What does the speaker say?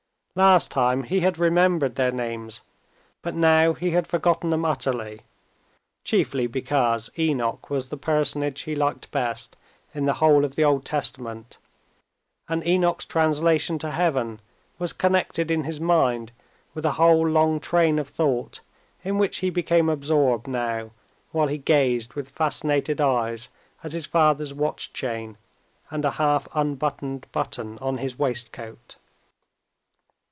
Last time he had remembered their names, but now he had forgotten them utterly, chiefly because Enoch was the personage he liked best in the whole of the Old Testament, and Enoch's translation to heaven was connected in his mind with a whole long train of thought, in which he became absorbed now while he gazed with fascinated eyes at his father's watch chain and a half unbuttoned button on his waistcoat.